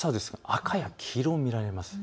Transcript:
赤や黄色が見られます。